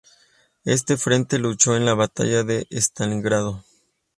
Este frente luchó en la Batalla de Stalingrado.